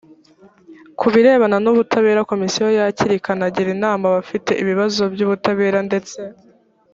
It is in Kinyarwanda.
ku birebana n ubutabera komisiyo yakira ikanagira inama abafite ibibazo by ubutabera ndetse